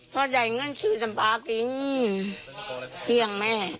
พ่อใหญ่เงินซื้อสำปากินเกลี้ยงแม่